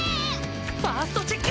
ファーストチェック！